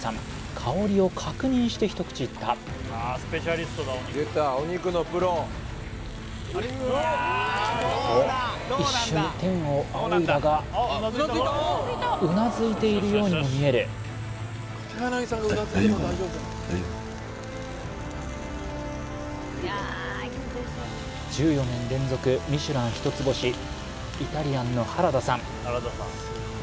香りを確認してひと口いったおっ一瞬天を仰いだがうなずいているようにも見える１４年連続ミシュラン一つ星イタリアンの原田さん